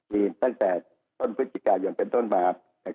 มีตั้งแต่ต้นพฤศจิกายนเป็นต้นมา